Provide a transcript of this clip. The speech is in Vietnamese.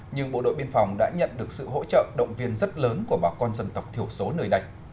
nhưng bộ đội biên phòng đã nhận được sự hỗ trợ động viên rất lớn của bà con dân tộc thiểu số nơi đây